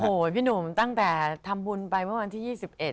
โอ้โหพี่หนุ่มตั้งแต่ทำบุญไปเมื่อวันที่๒๑